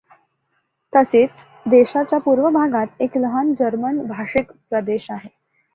तसेच देशाच्या पूर्व भागात एक लहान जर्मन भाषिक प्रदेश आहे.